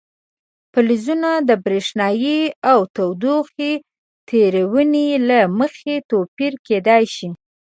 فلزونه د برېښنايي او تودوخې تیرونې له مخې توپیر کیدای شي.